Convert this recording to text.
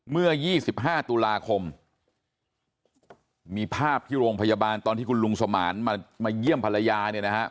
เมื่อ๒๕ตุลาคมมีภาพที่โรงพยาบาลตอนที่คุณลุงสมานมาเยี่ยมภรรยาเนี่ยนะฮะ